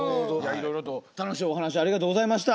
いろいろと楽しいお話ありがとうございました。